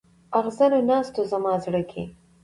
اغزنو ناستو زما په زړه کې.